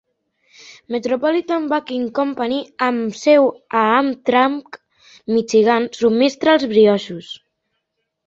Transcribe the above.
Metropolitan Baking Company amb seu a Hamtramck, Michigan, subministra els brioixos.